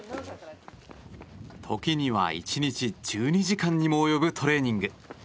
時には１日１２時間にも及ぶトレーニング。